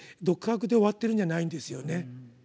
独白で終わってるんじゃないんですよね。